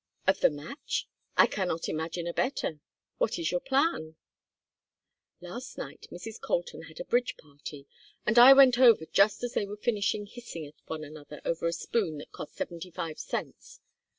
"Of the match? I cannot imagine a better. What is your plan?" "Last night Mrs. Colton had a bridge party, and I went over just as they were finishing hissing at one another over a spoon that cost seventy five cents.